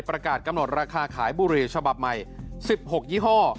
ประกาศกำหนดราคาขายบุหรี่ฉบับใหม่๑๖ยี่ห้อ